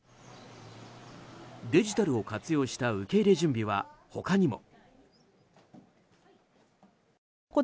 デジタルを活用した受け入れ準備は他にも。